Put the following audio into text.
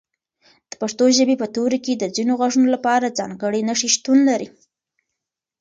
د پښتو ژبې په توري کې د ځینو غږونو لپاره ځانګړي نښې شتون لري.